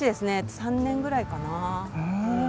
３年ぐらいかな。